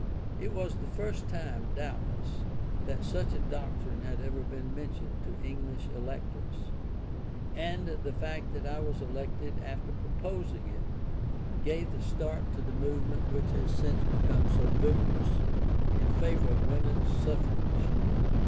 It was the first time, doubtless, that such a doctrine had ever been mentioned to English electors; and the fact that I was elected after proposing it, gave the start to the movement which has since become so vigorous, in favour of women's suffrage.